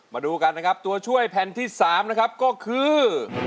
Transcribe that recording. มาดูกันนะครับตัวช่วยแผ่นที่๓นะครับก็คือ